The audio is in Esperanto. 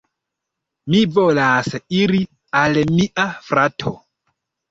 Mi volas iri al mia frato.